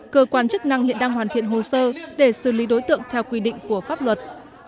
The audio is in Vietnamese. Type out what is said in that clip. cơ quan chức năng hiện đang hoàn thiện hồ sơ để xử lý đối tượng theo quy định của pháp luật